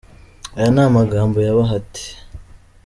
aya ni amagambo ya Bahati.